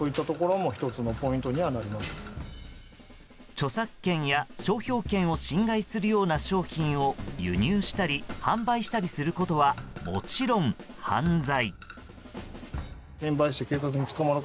著作権や商標権を侵害するような商品を輸入したり販売したりすることはもちろん犯罪。